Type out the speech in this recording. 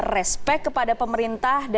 respect kepada pemerintah